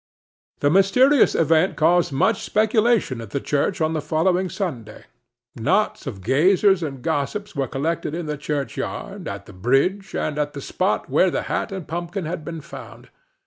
The mysterious event caused much speculation at the church on the following Sunday. Knots of gazers and gossips were collected in the churchyard, at the bridge, and at the spot where the hat and pumpkin had been found.